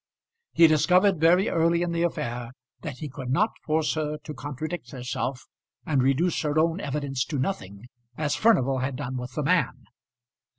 He discovered very early in the affair that he could not force her to contradict herself and reduce her own evidence to nothing, as Furnival had done with the man.